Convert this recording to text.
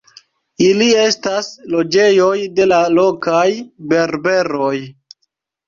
Ili estas loĝejoj de la lokaj berberoj.